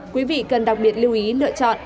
quý vị cần đặc biệt lưu ý lựa chọn